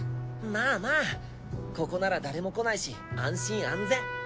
まあまあここなら誰も来ないし安心安全。